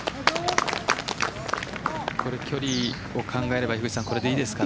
距離を考えればこれでいいですかね。